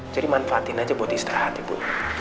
jadi manfaatin aja buat istirahat ya bu